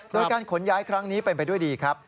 โดยการขนย้ายครั้งนี้เป็นไปด้วยดีครับ